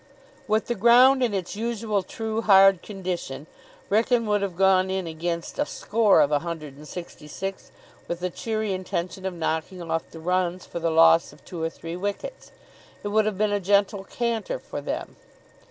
With the ground in its usual true, hard condition, Wrykyn would have gone in against a score of a hundred and sixty six with the cheery intention of knocking off the runs for the loss of two or three wickets. It would have been a gentle canter for them.